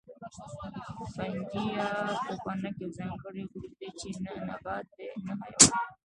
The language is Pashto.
فنجي یا پوپنک یو ځانګړی ګروپ دی چې نه نبات دی نه حیوان